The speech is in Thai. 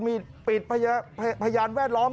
มีปิดพยานแวดล้อม